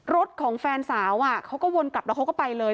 รถของแฟนสาวเขาก็วนกลับแล้วเขาก็ไปเลย